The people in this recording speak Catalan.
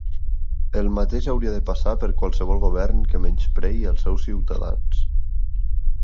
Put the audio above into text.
El mateix hauria de passar per qualsevol govern que menysprei els seus ciutadans.